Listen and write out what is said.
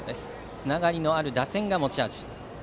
つながりのある打線が持ち味。